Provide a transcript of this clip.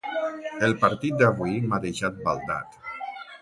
El partit d'avui m'ha deixat baldat.